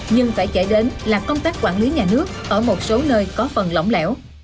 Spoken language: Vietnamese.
nhưng phải chạy đến là công tác quản lý nhà nước ở một số nơi có phần lỏng lẽo